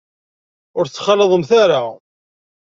Ur t-ttxalaḍemt ara.